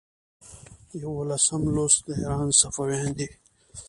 یوولسم لوست د ایران صفویان دي.